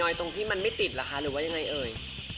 นอยตรงที่มันไม่ติดหรือว่ายังไงเอ๋ย